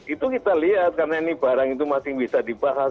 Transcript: itu kita lihat karena ini barang itu masih bisa dibahas